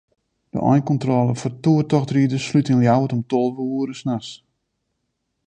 De einkontrôle foar toertochtriders slút yn Ljouwert om tolve oere de nachts.